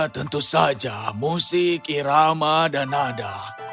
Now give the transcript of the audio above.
tentu saja musik irama dan nada